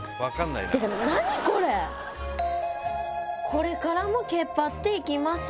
「これからもけっぱっていきます！」